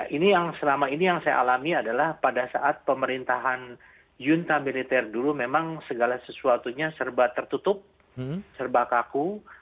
ini yang selama ini yang saya alami adalah pada saat pemerintahan junta militer dulu memang segala sesuatunya serba tertutup serba kaku